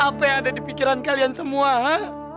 apa yang ada di pikiran kalian semua